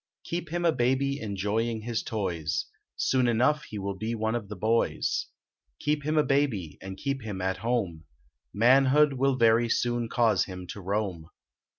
Keep him a baby enjoying his toys Soon enough he will be one of the boys ; Keep him a baby and keep him at home Manhood will very soon cause him to roam.